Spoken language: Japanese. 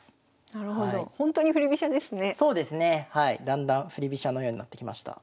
だんだん振り飛車のようになってきました。